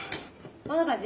どんな感じ？